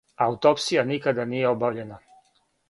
Аутопсија никада није обављена.